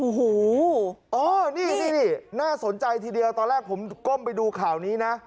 โอ้โหนี่น่าสนใจทีเดียวตอนแรกผมก้มไปดูข่าวนี้นะ